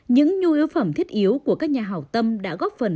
những nhu yếu phẩm thiết yếu của các nhà hào tâm đã góp phần